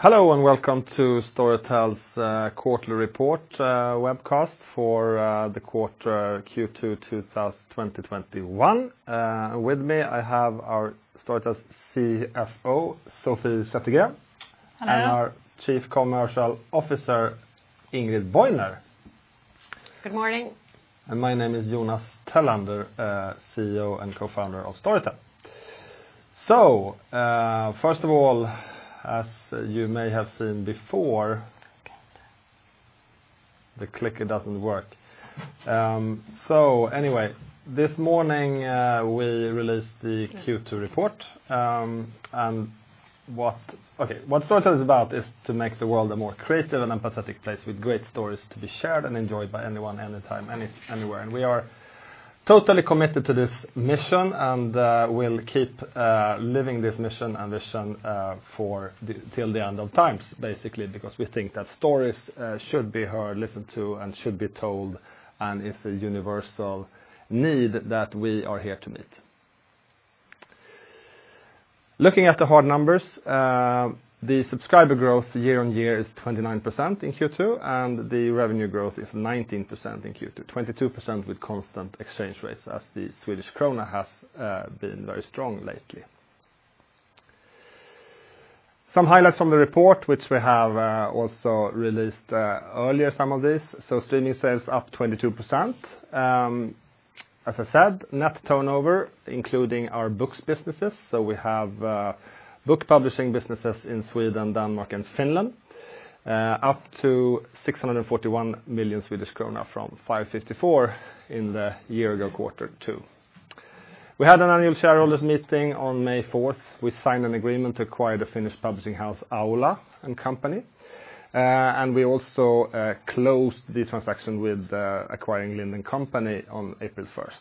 Hello, and welcome to Storytel's quarterly report webcast for the quarter Q2 2021. With me, I have our Storytel's CFO, Sofie Zettergren. Hello. Our Chief Commercial Officer, Ingrid Bojner. Good morning. My name is Jonas Tellander, CEO and Co-founder of Storytel. First of all, as you may have seen before, the clicker doesn't work. Anyway, this morning, we released the Q2 report. What Storytel is about is to make the world a more creative and empathetic place with great stories to be shared and enjoyed by anyone, anytime, anywhere. We are totally committed to this mission and we'll keep living this mission and vision till the end of times, basically. Because we think that stories should be heard, listened to, and should be told, and it's a universal need that we are here to meet. Looking at the hard numbers, the subscriber growth year-on-year is 29% in Q2, and the revenue growth is 19% in Q2. 22% with constant exchange rates, as the Swedish krona has been very strong lately. Some highlights from the report, which we have also released earlier some of this. Streaming sales up 22%. As I said, net turnover, including our books businesses, so we have book publishing businesses in Sweden, Denmark, and Finland, up to 641 million Swedish krona from 554 million in the year ago quarter two. We had an annual shareholders' meeting on May 4th. We signed an agreement to acquire the Finnish publishing house Aula & Company, and we also closed the transaction with acquiring Lind & Company on April 1st.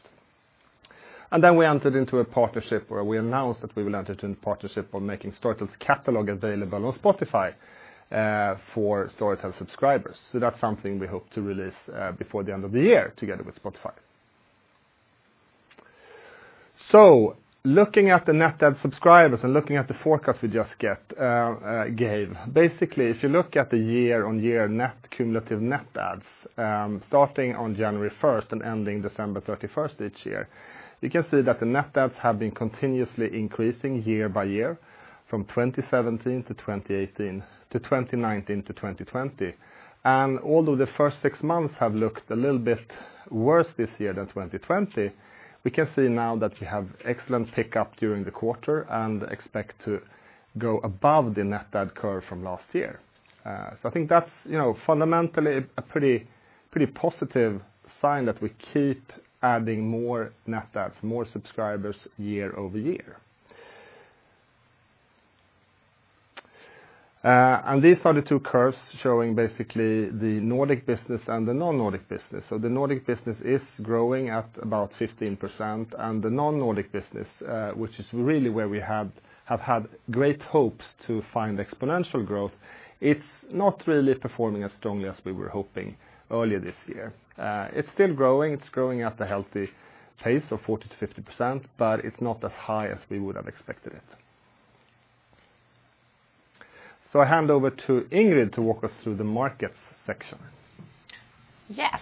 We entered into a partnership where we announced that we will enter into partnership on making Storytel's catalog available on Spotify for Storytel subscribers. That's something we hope to release before the end of the year together with Spotify. Looking at the net add subscribers and looking at the forecast we just gave, basically, if you look at the year-on-year net cumulative net adds, starting on January 1st and ending December 31st each year, you can see that the net adds have been continuously increasing year-by-year from 2017 to 2018 to 2019 to 2020. Although the first six months have looked a little bit worse this year than 2020, we can see now that we have excellent pick-up during the quarter and expect to go above the net add curve from last year. I think that's fundamentally a pretty positive sign that we keep adding more net adds, more subscribers year-over-year. These are the two curves showing basically the Nordic business and the non-Nordic business. The Nordic business is growing at about 15%. The non-Nordic business, which is really where we have had great hopes to find exponential growth, it's not really performing as strongly as we were hoping earlier this year. It's still growing. It's growing at a healthy pace of 40%-50%, but it's not as high as we would've expected it. I hand over to Ingrid to walk us through the markets section. Yes.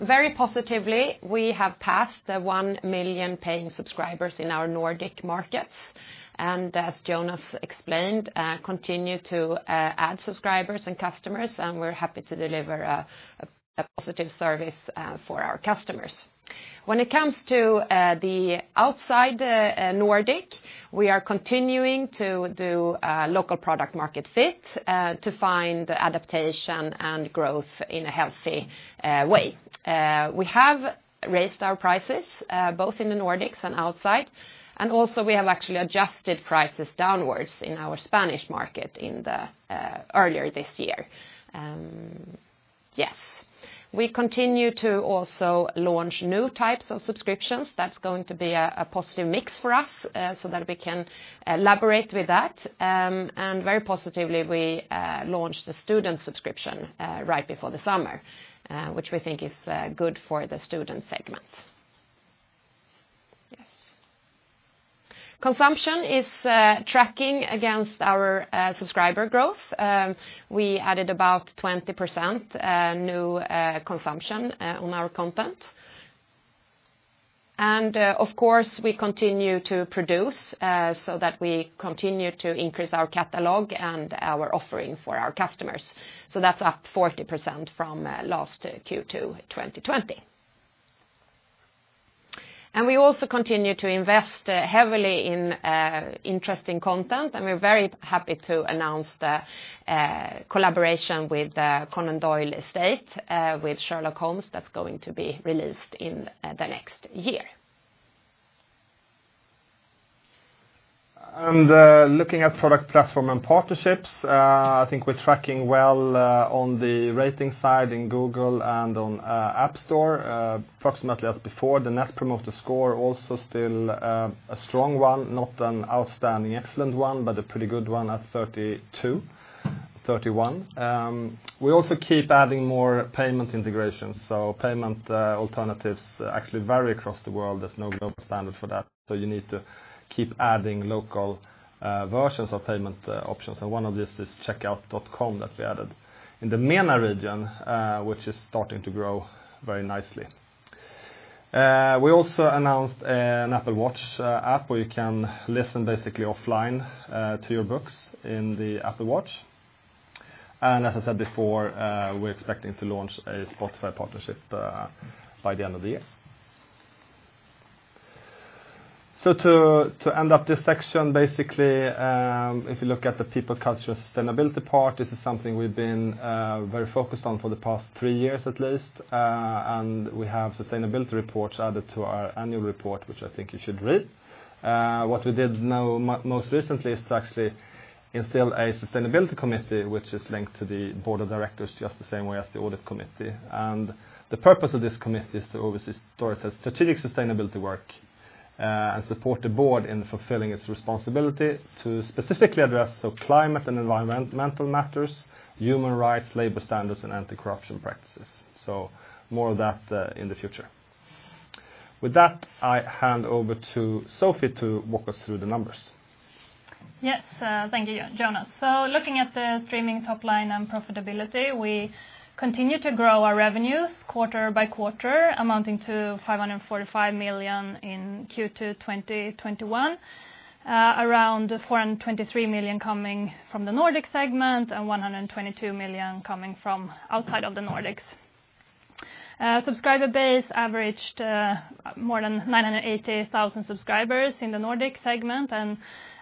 Very positively, we have passed the 1 million paying subscribers in our Nordic markets. As Jonas explained, continue to add subscribers and customers, and we're happy to deliver a positive service for our customers. When it comes to the outside Nordic, we are continuing to do local product market fit to find adaptation and growth in a healthy way. We have raised our prices both in the Nordics and outside, and also we have actually adjusted prices downwards in our Spanish market earlier this year. Yes. We continue to also launch new types of subscriptions. That's going to be a positive mix for us so that we can elaborate with that. Very positively, we launched the student subscription right before the summer, which we think is good for the student segment. Yes. Consumption is tracking against our subscriber growth. We added about 20% new consumption on our content. Of course, we continue to produce so that we continue to increase our catalog and our offering for our customers. That's up 40% from last Q2 2020. We also continue to invest heavily in interesting content, and we're very happy to announce the collaboration with the Conan Doyle Estate with Sherlock Holmes that's going to be released in the next year. Looking at product, platform, and partnerships, I think we're tracking well on the rating side in Google and on App Store. Approximately as before, the Net Promoter Score also still a strong one, not an outstanding excellent one, but a pretty good one at 32, 31. We also keep adding more payment integrations. Payment alternatives actually vary across the world. There's no global standard for that, so you need to keep adding local versions of payment options. One of this is Checkout.com that we added in the MENA region, which is starting to grow very nicely. We also announced an Apple Watch app where you can listen basically offline to your books in the Apple Watch. As I said before, we're expecting to launch a Spotify partnership by the end of the year. To end up this section, basically, if you look at the people, culture, sustainability part. This is something we've been very focused on for the past three years at least. We have sustainability reports added to our annual report, which I think you should read. What we did most recently is to actually instill a Sustainability Committee, which is linked to the Board of Directors just the same way as the Audit Committee. The purpose of this committee is to oversee Storytel's strategic sustainability work and support the Board in fulfilling its responsibility to specifically address the climate and environmental matters, human rights, labor standards, and anti-corruption practices. More of that in the future. With that, I hand over to Sofie to walk us through the numbers. Yes. Thank you, Jonas. Looking at the streaming top line and profitability, we continue to grow our revenues quarter-by-quarter, amounting to 545 million in Q2 2021. Around 423 million coming from the Nordic segment and 122 million coming from outside of the Nordics. Subscriber base averaged more than 980,000 subscribers in the Nordic segment.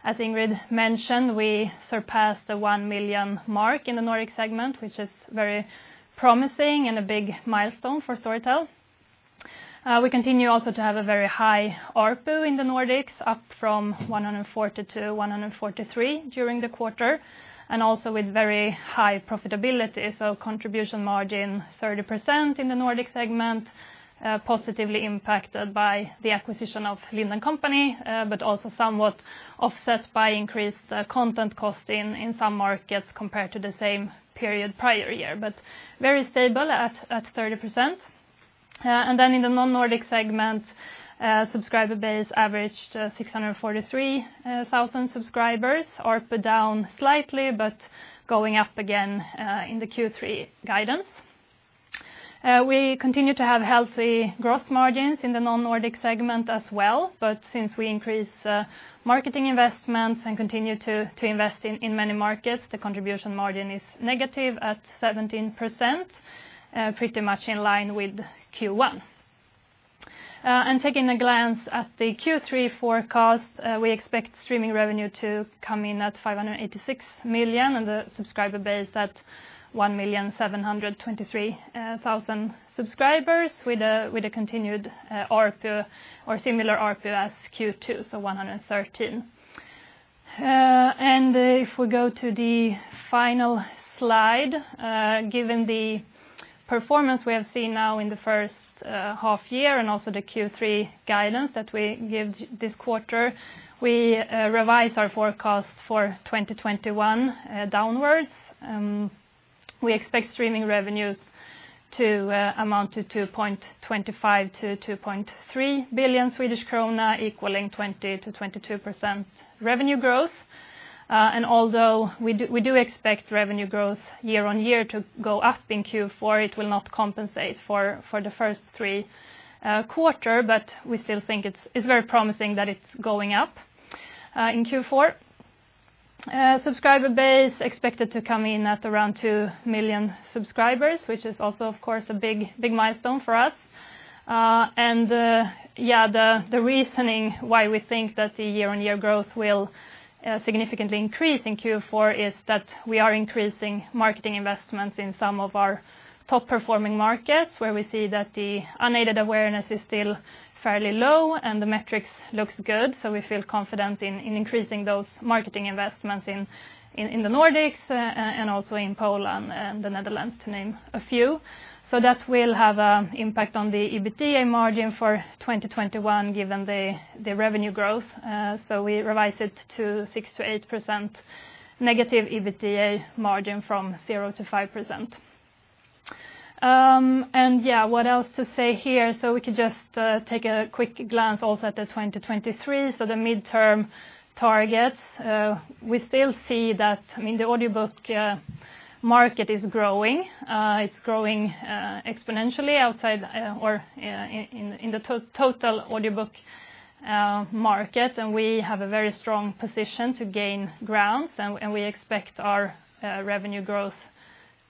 As Ingrid mentioned, we surpassed the 1 million mark in the Nordic segment, which is very promising and a big milestone for Storytel. We continue also to have a very high ARPU in the Nordics, up from 140-143 during the quarter, and also with very high profitability. Contribution margin 30% in the Nordic segment, positively impacted by the acquisition of Lind & Company, but also somewhat offset by increased content cost in some markets compared to the same period prior year. Very stable at 30%. In the non-Nordic segment, subscriber base averaged 643,000 subscribers. ARPU down slightly, but going up again in the Q3 guidance. We continue to have healthy gross margins in the non-Nordic segment as well. Since we increased marketing investments and continue to invest in many markets, the contribution margin is negative at 17%, pretty much in line with Q1. Taking a glance at the Q3 forecast, we expect streaming revenue to come in at 586 million, and the subscriber base at 1,723,000 subscribers with a continued ARPU or similar ARPU as Q2, so 113. If we go to the final slide, given the performance we have seen now in the first half year and also the Q3 guidance that we give this quarter, we revise our forecast for 2021 downwards. We expect streaming revenues to amount to 2.25 billion-2.3 billion Swedish krona, equaling 20%-22% revenue growth. Although we do expect revenue growth year-on-year to go up in Q4, it will not compensate for the first three quarters. We still think it's very promising that it's going up in Q4. Subscriber base expected to come in at around 2 million subscribers, which is also, of course, a big milestone for us. The reasoning why we think that the year-on-year growth will significantly increase in Q4 is that we are increasing marketing investments in some of our top-performing markets where we see that the unaided awareness is still fairly low and the metrics looks good. We feel confident in increasing those marketing investments in the Nordics and also in Poland and the Netherlands, to name a few. That will have an impact on the EBITDA margin for 2021, given the revenue growth. We revise it to 6%-8% negative EBITDA margin from 0%-5%. Yeah, what else to say here? We could just take a quick glance also at the 2023. The midterm targets. We still see that the audiobook market is growing. It's growing exponentially outside or in the total audiobook market, and we have a very strong position to gain grounds, and we expect our revenue growth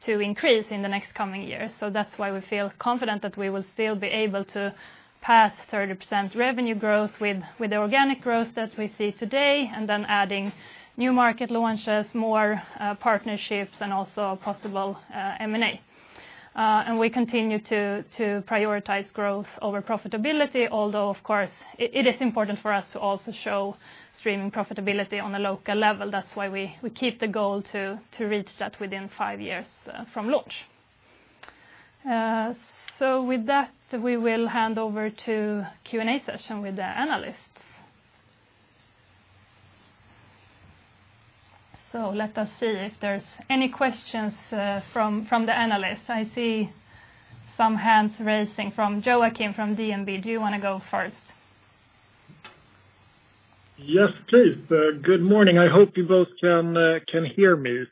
to increase in the next coming years. That's why we feel confident that we will still be able to pass 30% revenue growth with the organic growth that we see today. Then, adding new market launches, more partnerships, and also possible M&A. We continue to prioritize growth over profitability, although of course, it is important for us to also show streaming profitability on a local level. That's why we keep the goal to reach that within five years from launch. With that, we will hand over to Q&A session with the analysts. Let us see if there's any questions from the analysts. I see some hands raising from Joachim from DNB. Do you want to go first? Yes, please. Good morning. I hope you both can hear me.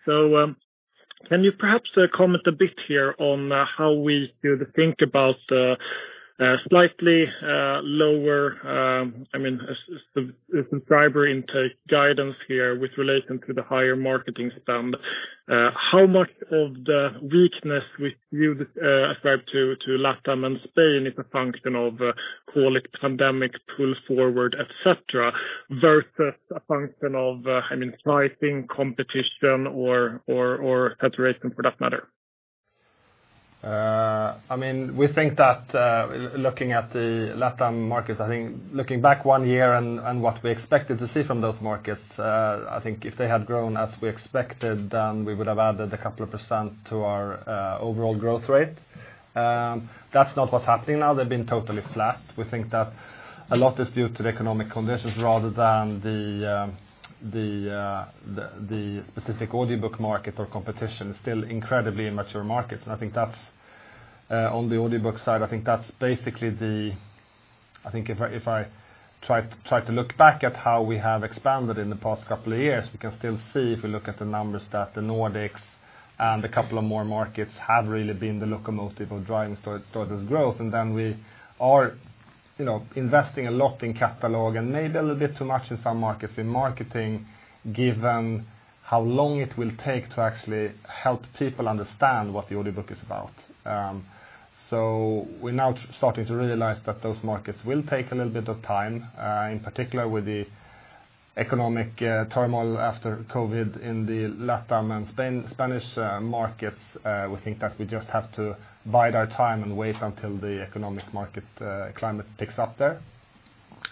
Can you perhaps comment a bit here on how we should think about the slightly lower subscriber intake guidance here with relation to the higher marketing spend? How much of the weakness we view described to LATAM and Spain is a function of, call it pandemic pull forward, et cetera, versus a function of sizing competition or saturation for that matter? We think that looking at the LATAM markets, I think looking back one year and what we expected to see from those markets, I think if they had grown as we expected, then we would have added a couple of percent to our overall growth rate. That's not what's happening now. They've been totally flat. We think that a lot is due to the economic conditions, rather than the specific audiobook market or competition is still incredibly immature markets. I think that's on the audiobook side. I think if I try to look back at how we have expanded in the past couple of years, we can still see if we look at the numbers that the Nordics and a couple of more markets have really been the locomotive of driving Storytel's growth. We are investing a lot in catalog and maybe a little bit too much in some markets in marketing, given how long it will take to actually help people understand what the audiobook is about. We're now starting to realize that those markets will take a little bit of time, in particular with the economic turmoil after COVID in the LATAM and Spanish markets. We think that we just have to bide our time and wait until the economic market climate picks up there.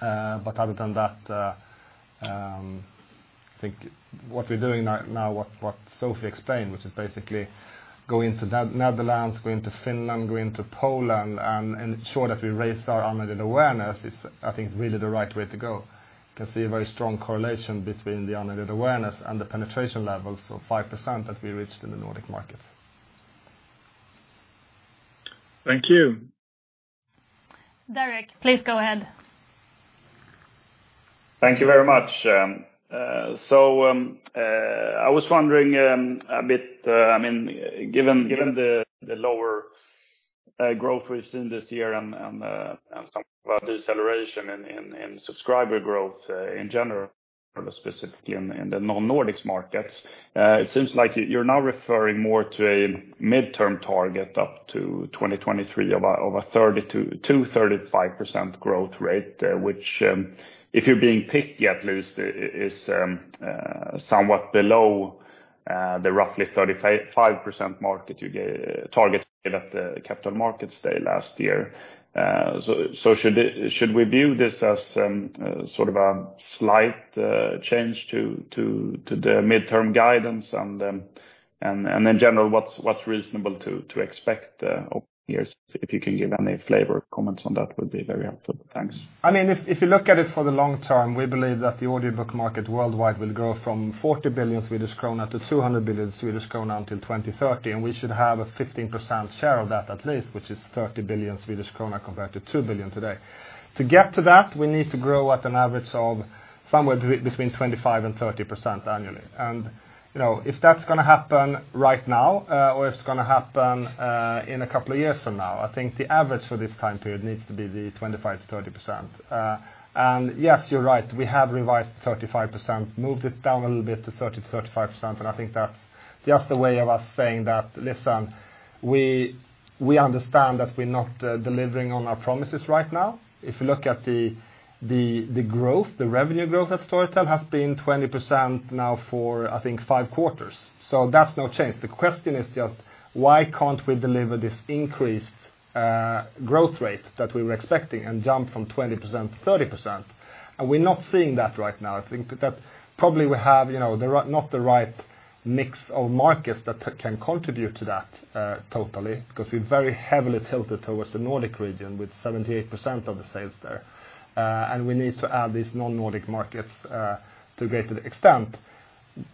Other than that, I think what we're doing now, what Sofie explained, which is basically go into Netherlands, go into Finland, go into Poland, and ensure that we raise our unaided awareness is, I think, really the right way to go. Can see a very strong correlation between the unaided awareness and the penetration levels of 5% that we reached in the Nordic markets. Thank you. Derek, please go ahead. Thank you very much. I was wondering a bit, given the lower growth we've seen this year and some deceleration in subscriber growth in general, specifically in the non-Nordics markets. It seems like you're now referring more to a midterm target up to 2023 of a 30%-35% growth rate, which, if you're being picky, at least, is somewhat below the roughly 35% target you gave at the Capital Markets Day last year. Should we view this as sort of a slight change to the midterm guidance? In general, what's reasonable to expect over the years? If you can give any flavor comments on that would be very helpful. Thanks. If you look at it for the long term, we believe that the audiobook market worldwide will grow from 40 billion Swedish krona to 200 billion Swedish krona until 2030. We should have a 15% share of that at least, which is 30 billion Swedish krona compared to 2 billion today. To get to that, we need to grow at an average of somewhere between 25%-30% annually. If that's going to happen right now, or it's going to happen in a couple of years from now, I think the average for this time period needs to be the 25%-30%. Yes, you're right. We have revised 35%, moved it down a little bit to 30%-35%. I think that's just a way of us saying that, listen, we understand that we're not delivering on our promises right now. If you look at the revenue growth at Storytel has been 20% now for, I think, five quarters. That's no change. The question is just why can't we deliver this increased growth rate that we were expecting and jump from 20% to 30%? We're not seeing that right now. I think that probably we have not the right mix of markets that can contribute to that totally, because we're very heavily tilted towards the Nordic region with 78% of the sales there. We need to add these non-Nordic markets to a greater extent.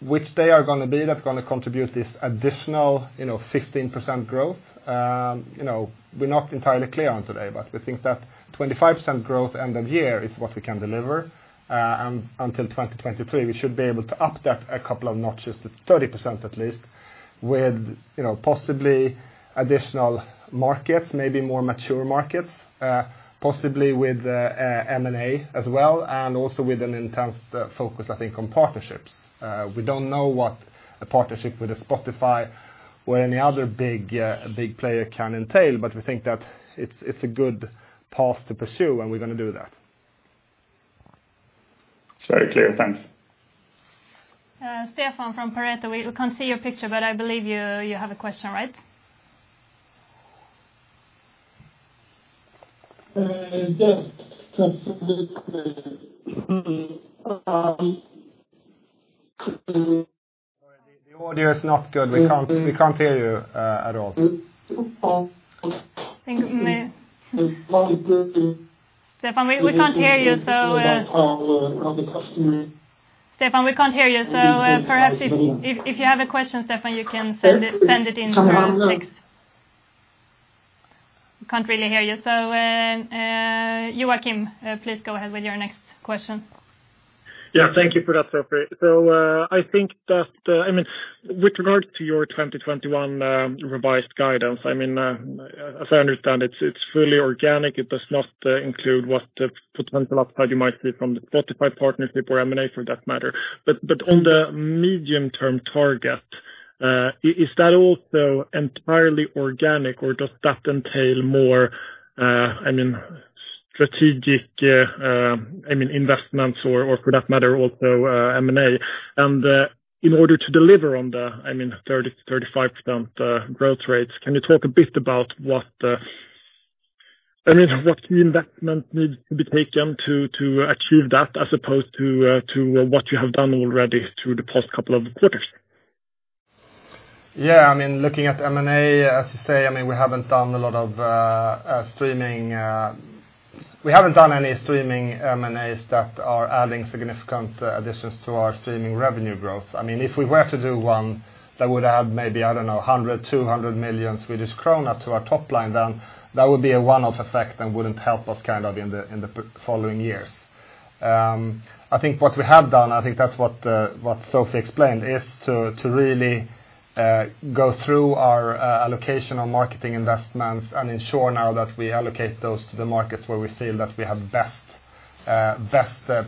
Which they are going to be that's going to contribute this additional 15% growth? We're not entirely clear on today, but we think that 25% growth end of year is what we can deliver. Until 2023, we should be able to up that a couple of notches to 30% at least with possibly additional markets. Maybe more mature markets, possibly with M&A as well, and also with an intense focus, I think, on partnerships. We don't know what a partnership with a Spotify ,or any other big player can entail. But we think that it's a good path to pursue, and we're going to do that. It's very clear. Thanks. Stefan from Pareto, we can't see your picture. But I believe you have a question, right? Yes, absolutely. The audio is not good. We can't hear you at all. Stefan, we can't hear you. [audio distorton] of the customer. Stefan, we can't hear you. Perhaps if you have a question, Stefan, you can send it in through text. We can't really hear you. Joachim, please go ahead with your next question. Thank you for that, Sofie. I think that with regard to your 2021 revised guidance, as I understand, it's fully organic. It does not include what the potential upside you might see from the Spotify partnership or M&A for that matter. On the medium-term target, is that also entirely organic or does that entail more strategic investments or for that matter, also M&A. In order to deliver on the 30%-35% growth rates, can you talk a bit about what the investment needs to be taken to achieve that as opposed to what you have done already through the past couple of quarters? Yeah. Looking at M&A, as you say, we haven't done any streaming M&As that are adding significant additions to our streaming revenue growth. If we were to do one that would add maybe, I don't know, 100 million, 200 million Swedish kronor to our top line. That would be a one-off effect and wouldn't help us in the following years. I think what we have done, I think that's what Sofie explained, is to really go through our allocation on marketing investments and ensure now that we allocate those to the markets where we feel that we have best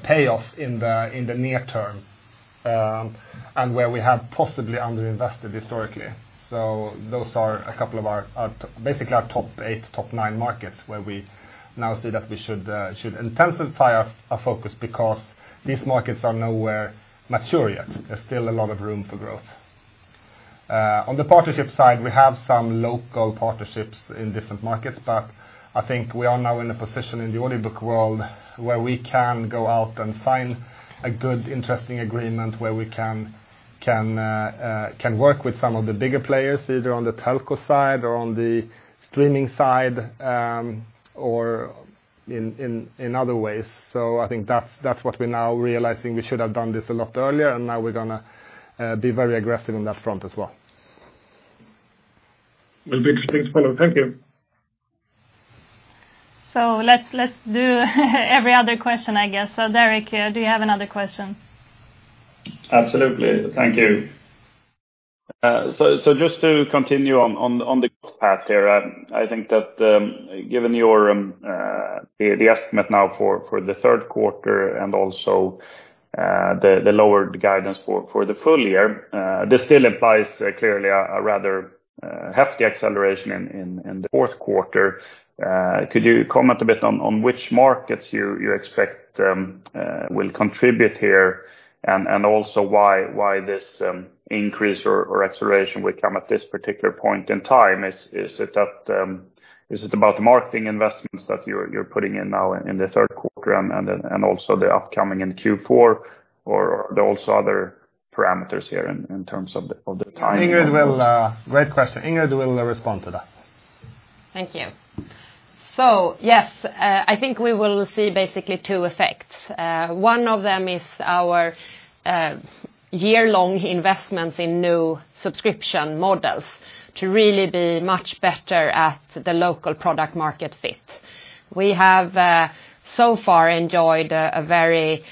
payoff in the near term, and where we have possibly under-invested historically. Those are a couple of our, basically our top eight, top nine markets, where we now see that we should intensify our focus because these markets are nowhere mature yet. There's still a lot of room for growth. On the partnership side, we have some local partnerships in different markets. I think we are now in a position in the audiobook world where we can go out and find a good, interesting agreement where we can work with some of the bigger players, either on the telco side or on the streaming side, or in other ways. I think that's what we're now realizing we should have done this a lot earlier, and now we're going to be very aggressive on that front as well. Well, big things follow. Thank you. Let's do every other question, I guess. Derek, do you have another question? Absolutely. Thank you. Just to continue on the path here, I think that given the estimate now for the third quarter and also the lowered guidance for the full year, this still implies clearly a rather hefty acceleration in the fourth quarter. Could you comment a bit on which markets you expect will contribute here, and also why this increase or acceleration will come at this particular point in time? Is it about marketing investments that you're putting in now in the third quarter and also the upcoming in Q4? Are there also other parameters here in terms of the timing? Great question. Ingrid will respond to that. Thank you. Yes, I think we will see basically two effects. One of them is our year-long investments in new subscription models to really be much better at the local product-market fit. We have so far enjoyed a very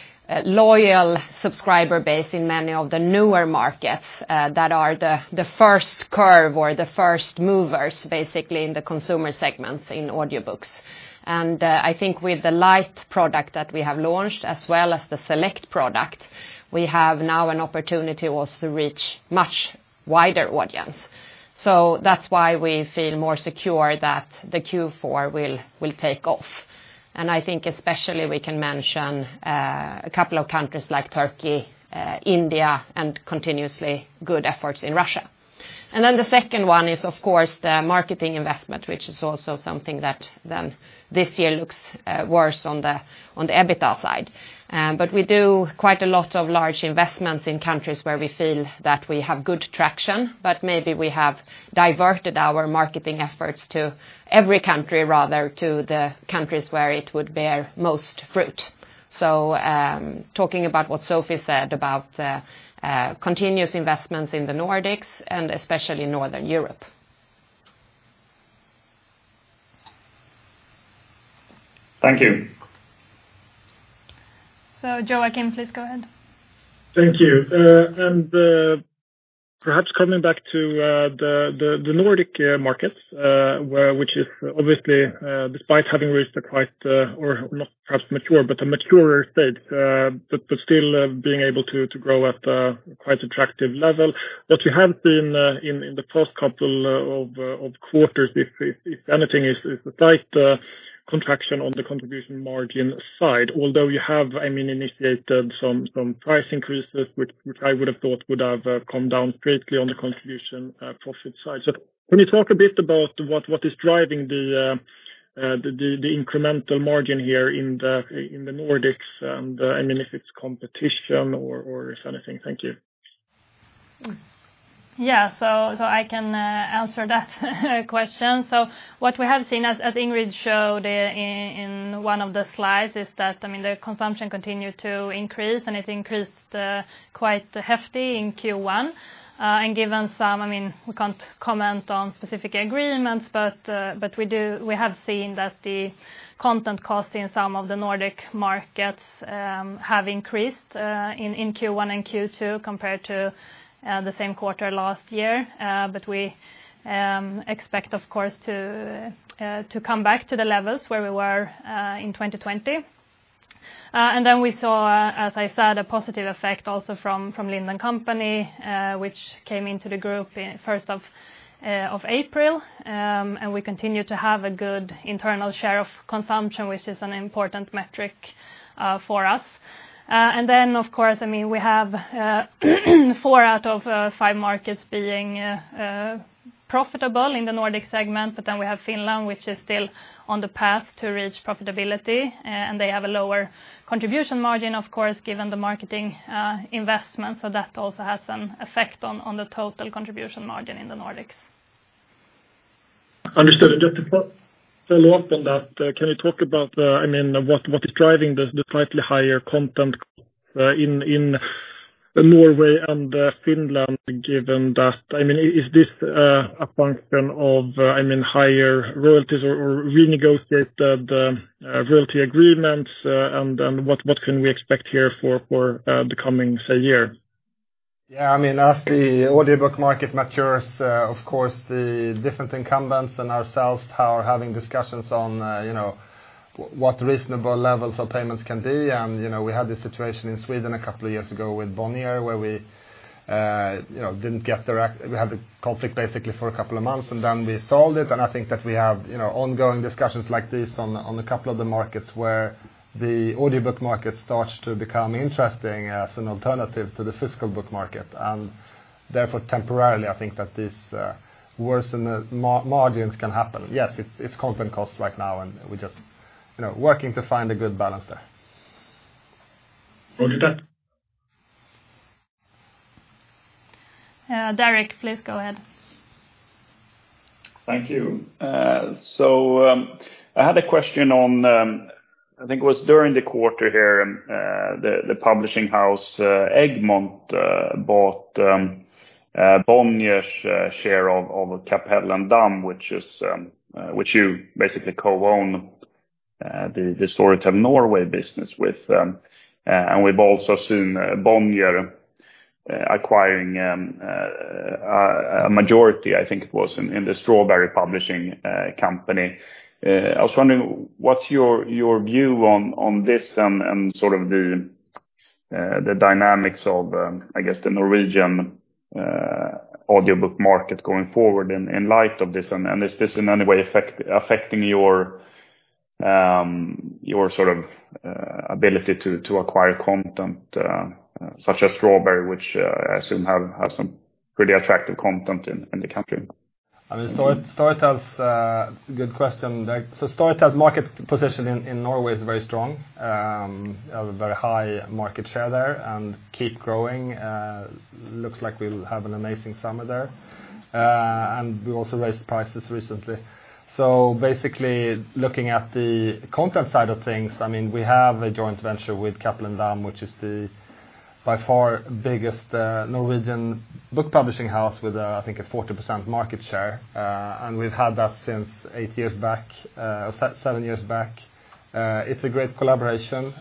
loyal subscriber base in many of the newer markets that are the first curve or the first movers, basically in the consumer segments in audiobooks. I think with the Light product that we have launched, as well as the Select product, we have now an opportunity also to reach much wider audience. That's why we feel more secure that the Q4 will take off. I think especially we can mention a couple of countries like Turkey, India, and continuously good efforts in Russia. The second one is, of course, the marketing investment, which is also something that this year looks worse on the EBITDA side. We do quite a lot of large investments in countries where we feel that we have good traction, but maybe we have diverted our marketing efforts to every country rather to the countries where it would bear most fruit. Talking about what Sofie said about continuous investments in the Nordics and especially Northern Europe. Thank you. Joachim, please go ahead. Thank you. Perhaps coming back to the Nordic markets, which is obviously despite having reached a quite or not perhaps mature, but a maturer state, but still being able to grow at a quite attractive level. What you have seen in the past couple of quarters, if anything, is a slight contraction on the contribution margin side, although you have initiated some price increases, which I would have thought would have come down greatly on the contribution profit side. Can you talk a bit about what is driving the incremental margin here in the Nordics, if it's competition or if anything? Thank you. Yeah. I can answer that question. What we have seen, as Ingrid showed in one of the slides, is that the consumption continued to increase. It increased quite hefty in Q1. We can't comment on specific agreements, but we have seen that the content cost in some of the Nordic markets have increased in Q1 and Q2 compared to the same quarter last year. We expect, of course, to come back to the levels where we were in 2020. Then we saw, as I said, a positive effect also from Lind & Company, which came into the group 1st of April. We continue to have a good internal share of consumption, which is an important metric for us. Then, of course, we have four out of five markets being profitable in the Nordic segment. We have Finland, which is still on the path to reach profitability. They have a lower contribution margin, of course, given the marketing investments. That also has an effect on the total contribution margin in the Nordics. Understood. Just to follow up on that, can you talk about what is driving the slightly higher content cost in Norway and Finland? Is this a function of higher royalties or renegotiate the royalty agreements? What can we expect here for the coming, say, year? Yeah. As the audiobook market matures, of course, the different incumbents and ourselves are having discussions on what reasonable levels of payments can be. We had this situation in Sweden a couple of years ago with Bonnier, where we had the conflict basically for a couple of months, then we solved it. I think that we have ongoing discussions like this on a couple of the markets where the audiobook market starts to become interesting as an alternative to the physical book market. Therefore, temporarily, I think that these worsened margins can happen. Yes, it's content cost right now. We're just working to find a good balance there. Roger that. Derek, please go ahead. Thank you. I had a question on, I think it was during this quarter here, the publishing house Egmont bought Bonnier's share of Cappelen Damm, which you basically co-own the Storytel Norway business with. We've also seen Bonnier acquiring a majority, I think it was, in the Strawberry Publishing company. I was wondering, what's your view on this and sort of the dynamics of, I guess, the Norwegian audiobook market going forward in light of this? Is this in any way affecting your ability to acquire content such as Strawberry, which I assume have some pretty attractive content in the country? Good question, Derek. Storytel's market position in Norway is very strong. We have a very high market share there and keep growing. Looks like we'll have an amazing summer there. We also raised prices recently. Basically, looking at the content side of things, we have a joint venture with Cappelen Damm, which is the by far biggest Norwegian book publishing house with, I think, a 40% market share. We've had that since seven years back. It's a great collaboration,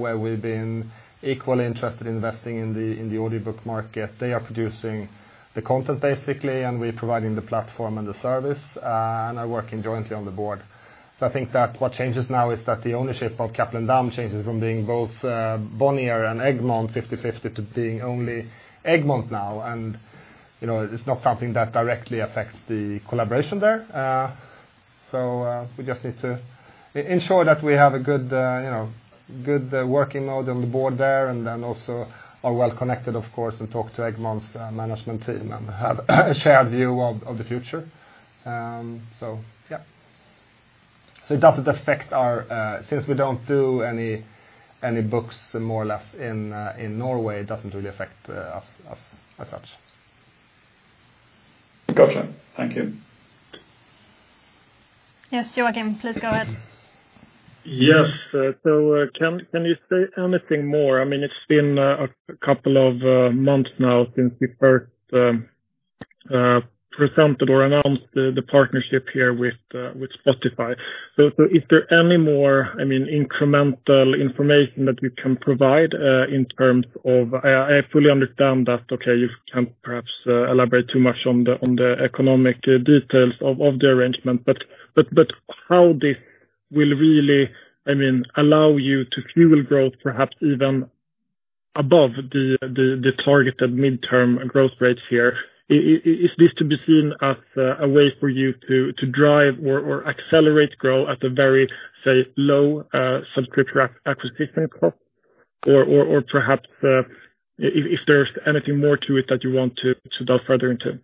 where we've been equally interested in investing in the audiobook market. They are producing the content, basically. We're providing the platform and the service, and are working jointly on the board. I think that what changes now is that the ownership of Cappelen Damm changes from being both Bonnier and Egmont 50/50 to being only Egmont now. It's not something that directly affects the collaboration there. We just need to ensure that we have a good working mode on the Board there. Then, also are well connected, of course, and talk to Egmont's management team and have a shared view of the future. Yeah. Since we don't do any books more or less in Norway, it doesn't really affect us as such. Gotcha. Thank you. Yes, Joachim, please go ahead. Yes. Can you say anything more? It's been a couple of months now since you first presented or announced the partnership here with Spotify. Is there any more incremental information that you can provide? I fully understand that, okay, you can't perhaps elaborate too much on the economic details of the arrangement. How this will really allow you to fuel growth, perhaps even above the targeted midterm growth rates here. Is this to be seen as a way for you to drive or accelerate growth at a very, say, low subscription acquisition cost? Perhaps if there's anything more to it that you want to delve further into.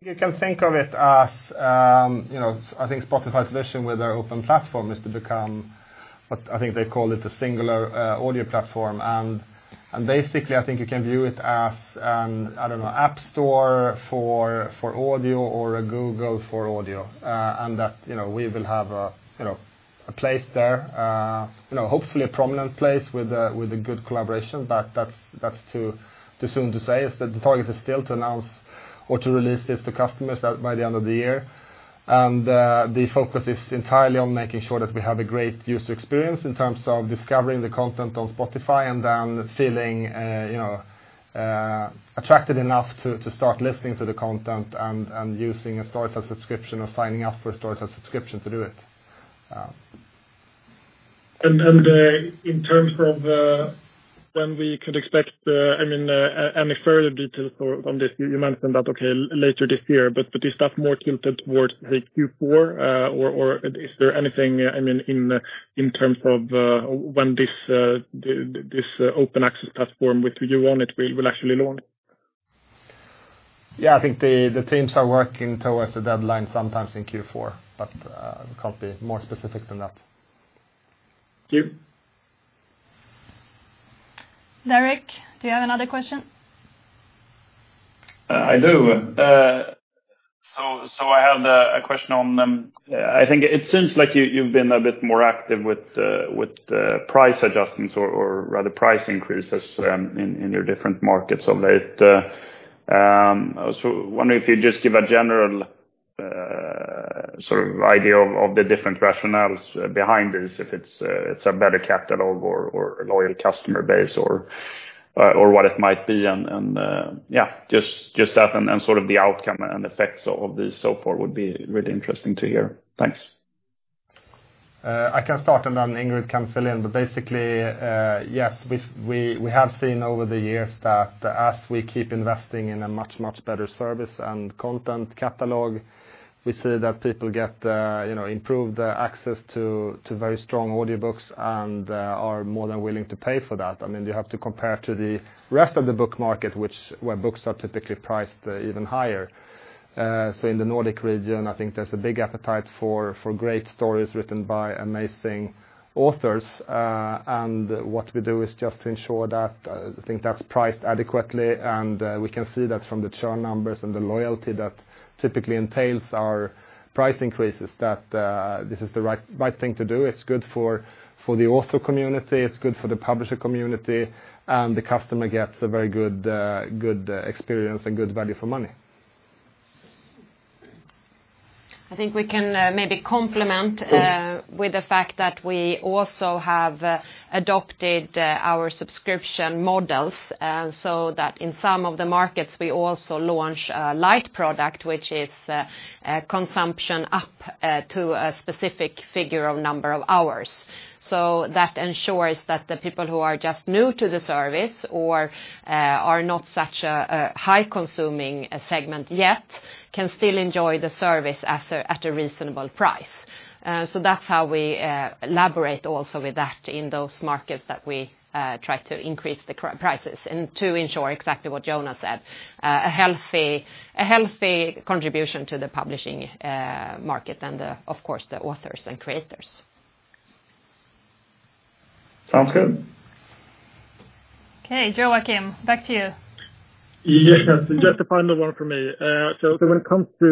You can think of it as, I think Spotify's vision with their open platform is to become what I think they call it a singular audio platform. Basically, I think you can view it as an, I don't know, App Store for audio or a Google for audio. That we will have a place there. Hopefully a prominent place with a good collaboration, but that's too soon to say. The target is still to announce or to release this to customers by the end of the year. The focus is entirely on making sure that we have a great user experience in terms of discovering the content on Spotify and then feeling attracted enough to start listening to the content and using a Storytel subscription or signing up for a Storytel subscription to do it. In terms of when we could expect any further details on this? You mentioned that, okay, later this year. But is that more tilted towards the Q4? Is there anything in terms of when this open access platform, with you on it, will actually launch? Yeah, I think the teams are working towards a deadline sometimes in Q4, but can't be more specific than that. Thank you. Derek, do you have another question? I do. I have a question on, I think it seems like you've been a bit more active with the price adjustments or rather price increases in your different markets of late. I was wondering if you'd just give a general idea of the different rationales behind this, if it's a better catalog or a loyal customer base or what it might be? Yeah, just that and sort of the outcome and effects of this so far would be really interesting to hear. Thanks. I can start and then Ingrid can fill in. Basically, yes, we have seen over the years that as we keep investing in a much, much better service and content catalog, we see that people get improved access to very strong audiobooks and are more than willing to pay for that. You have to compare to the rest of the book market, where books are typically priced even higher. In the Nordic region, I think there's a big appetite for great stories written by amazing authors. What we do is just to ensure that, I think that's priced adequately, and we can see that from the churn numbers and the loyalty that typically entails our price increases that this is the right thing to do. It's good for the author community, it's good for the publisher community, and the customer gets a very good experience and good value for money. I think we can maybe complement with the fact that we also have adopted our subscription models. So that in some of the markets, we also launch a Light product, which is consumption up to a specific figure of number of hours. That ensures that the people who are just new to the service or are not such a high-consuming segment yet can still enjoy the service at a reasonable price. That's how we elaborate also with that in those markets that we try to increase the prices and to ensure exactly what Jonas said, a healthy contribution to the publishing market and, of course, the authors and creators. Sounds good. Okay, Joachim, back to you. Yes, just the final one for me. When it comes to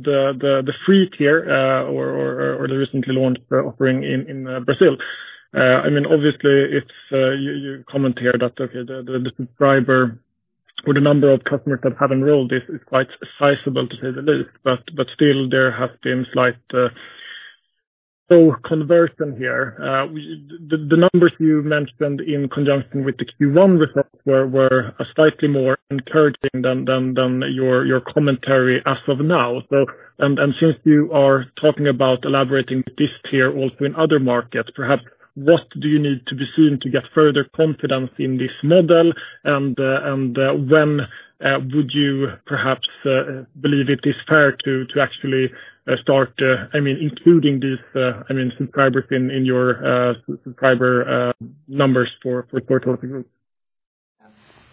the Free tier or the recently launched offering in Brazil, obviously it's you comment here that, okay, the subscriber or the number of customers that have enrolled is quite sizable, to say the least, but still there have been slight slow conversion here. The numbers you mentioned in conjunction with the Q1 results were slightly more encouraging than your commentary as of now. Since you are talking about elaborating this tier also in other markets, perhaps what do you need to be seen to get further confidence in this model? When would you perhaps believe it is fair to actually start including these subscribers in your subscriber numbers for Storytel Group?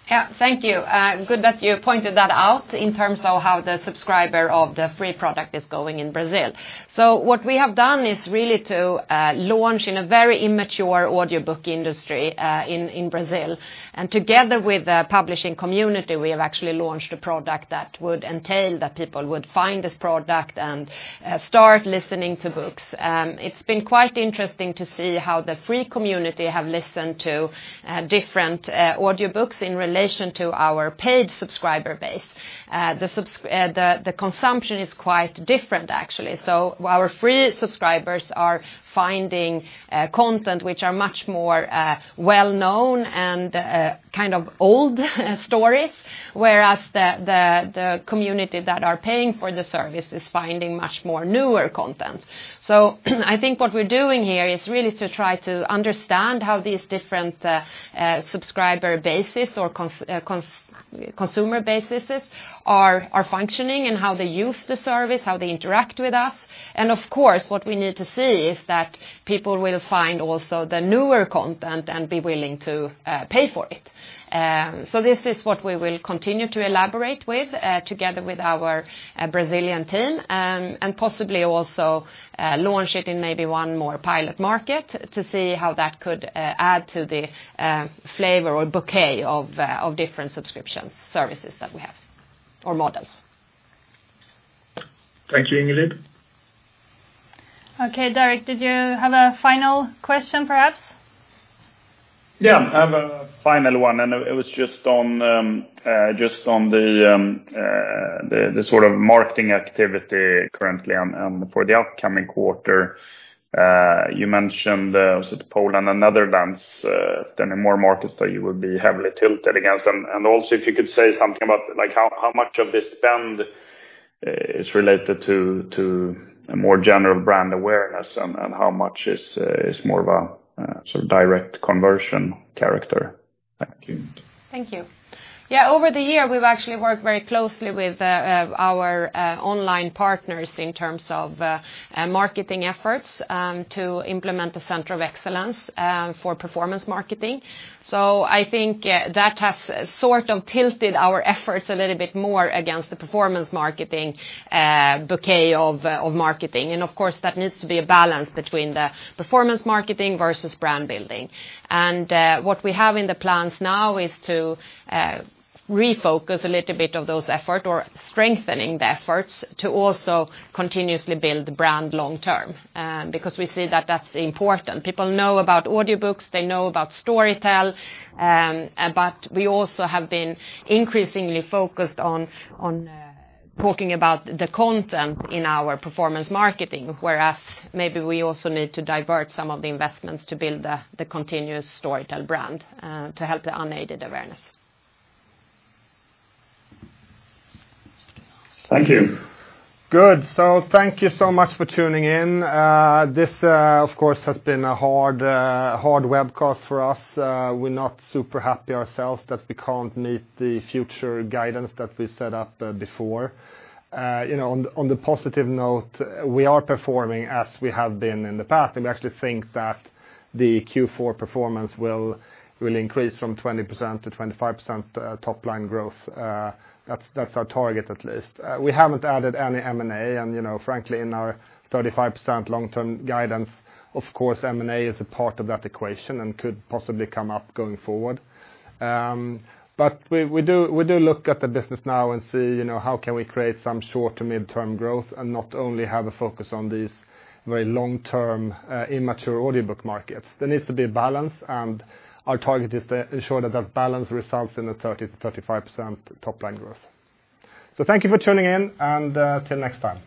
Yeah, thank you. Good that you pointed that out in terms of how the subscriber of the free product is going in Brazil. What we have done is really to launch in a very immature audiobook industry in Brazil. Together with the publishing community, we have actually launched a product that would entail that people would find this product and start listening to books. It's been quite interesting to see how the free community have listened to different audiobooks in relation to our paid subscriber base. The consumption is quite different, actually. Our Free subscribers are finding content which are much more well-known and kind of old stories, whereas the community that are paying for the service is finding much more newer content. I think what we're doing here is really to try to understand how these different subscriber bases or consumer bases are functioning and how they use the service, how they interact with us. Of course, what we need to see is that people will find also the newer content and be willing to pay for it. This is what we will continue to elaborate with, together with our Brazilian team. Possibly also launch it in maybe one more pilot market to see how that could add to the flavor or bouquet of different subscription services that we have, or models. Thank you, Ingrid. Okay, Derek, did you have a final question perhaps? Yeah, I have a final one and it was just on the sort of marketing activity currently and for the upcoming quarter. You mentioned, was it Poland and Netherlands? There are more markets that you would be heavily tilted against. Also if you could say something about how much of this spend is related to a more general brand awareness, and how much is more of a sort of direct conversion character? Thank you. Thank you. Over the year, we've actually worked very closely with our online partners in terms of marketing efforts to implement the Center of Excellence for performance marketing. I think that has sort of tilted our efforts a little bit more against the performance marketing bouquet of marketing. Of course, that needs to be a balance between the performance marketing versus brand building. What we have in the plans now is to refocus a little bit of those effort or strengthening the efforts to also continuously build the brand long term, because we see that that's important. People know about audiobooks. They know about Storytel. We also have been increasingly focused on talking about the content in our performance marketing, whereas maybe we also need to divert some of the investments to build the continuous Storytel brand to help the unaided awareness. Thank you. Good. Thank you so much for tuning in. This, of course, has been a hard webcast for us. We're not super happy ourselves that we can't meet the future guidance that we set up before. On the positive note, we are performing as we have been in the past. We actually think that the Q4 performance will increase from 20% to 25% top-line growth. That's our target, at least. We haven't added any M&A and frankly in our 35% long-term guidance. Of course, M&A is a part of that equation and could possibly come up going forward. We do look at the business now and see how can we create some short to midterm growth, and not only have a focus on these very long-term immature audiobook markets. There needs to be a balance, and our target is to ensure that that balance results in a 30%-35% top-line growth. Thank you for tuning in, and till next time.